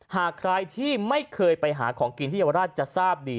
หากใครที่ไม่เคยไปหาของกินที่เยาวราชจะทราบดี